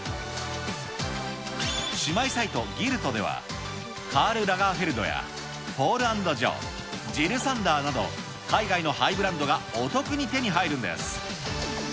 姉妹サイト、ギルトでは、カール・ラガーフェルドやポール＆ジョー、ジル・サンダーなど海外のハイブランドがお得に手に入るんです。